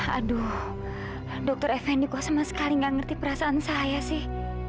aduh dokter effendi kok sama sekali nggak ngerti perasaan saya sih